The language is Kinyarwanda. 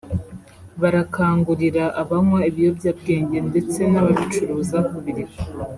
barakangurira abanywa ibiyobyabwenge ndetse n’ababicuruza kubireka